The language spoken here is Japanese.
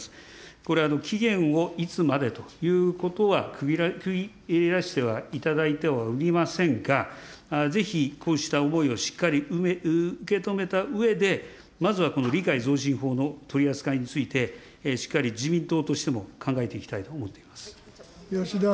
これ、期限をいつまでということは、区切らしてはいただいておりませんが、ぜひこうした思いをしっかり受け止めたうえで、まずはこの理解増進法の取り扱いについて、しっかり自民党としても、考えていきたいと思っています。